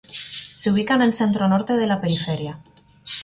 Se ubica en el centro-norte de la periferia.